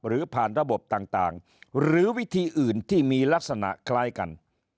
หรือผ่านระบบต่างหรือวิธีอื่นที่มีลักษณะคล้ายกัน